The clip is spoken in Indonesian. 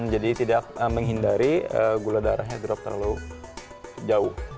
jadi tidak menghindari gula darahnya drop terlalu jauh